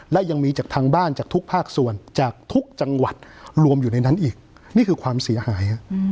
และยังมีจากทางบ้านจากทุกภาคส่วนจากทุกจังหวัดรวมอยู่ในนั้นอีกนี่คือความเสียหาย